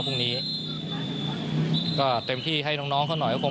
พรุ่งนี้เต็มที่ให้ดวงน้องไต้